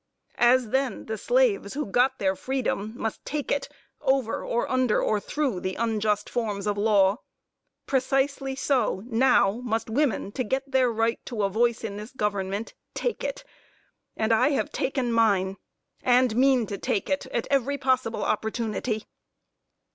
As then, the slaves who got their freedom must take it over, or under, or through the unjust forms of law, precisely so, now, must women, to get their right to a voice in this government, take it; and I have taken mine, and mean to take it at every possible opportunity.